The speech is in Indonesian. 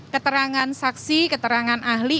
keterangan saksi keterangan ahli